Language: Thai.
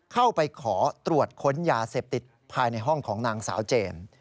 เข้าไปขอตรวจค้นยาเสพติดภายในห้องของนางสาวเจมส์